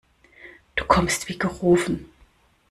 Du kommst wie gerufen.